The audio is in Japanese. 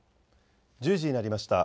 １０時になりました。